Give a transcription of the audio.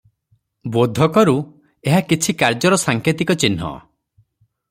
ବୋଧ କରୁ, ଏହା କିଛି କାର୍ଯ୍ୟର ସାଙ୍କେତିକ ଚିହ୍ନ ।